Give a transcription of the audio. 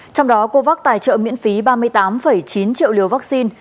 trong đó covax tài trợ miễn phí ba mươi tám chín triệu liều vaccine